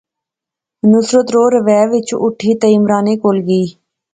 نصرت رووہے وچ اوٹھی عمرانے کول گئی